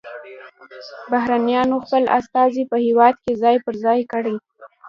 بهرنیانو خپل استازي په هیواد کې ځای پر ځای کړي